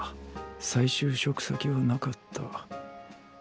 再就職先はなかった。